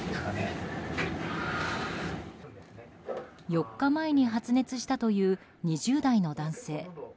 ４日前に発熱したという２０代の男性。